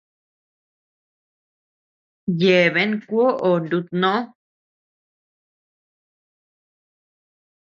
Yeabean kuoʼo nutnó.